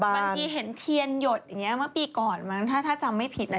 บางทีเทียนหยดอย่างเงี้ยบางปีก่อนมั้งถ้าจำไม่ผิดนะ